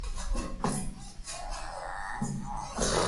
ndio wanaoitwa Wakristo au walau nabii hususani Waislamu